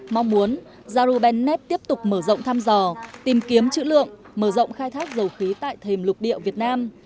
mong muốn zarubennet tiếp tục mở rộng thăm dò tìm kiếm chữ lượng mở rộng khai thác dầu khí tại thềm lục địa việt nam